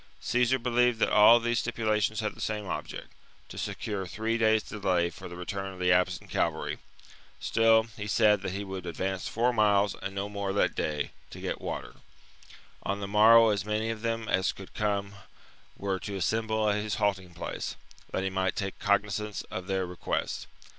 Caesar believed that all these stipulations had the same object, — to secure three days' delay for the return of the absent cavalry ; still, he said that he would advance four miles and no more that day, to get water ; on the morrow as many of them as could come were to assemble at his halting place, that he might take cognizance of their re quests.